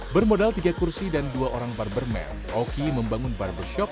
bermodal tiga kursi dan dua orang barbermen oki membangun barbershop